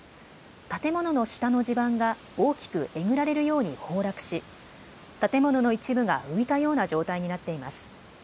建物の下の地盤が大きくえぐられるように崩落し、建物の一部が浮いたような状態になっています。